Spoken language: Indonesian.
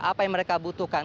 apa yang mereka butuhkan